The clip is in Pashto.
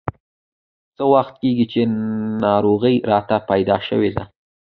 څه وخت کېږي چې ناروغي راته پیدا شوې ده.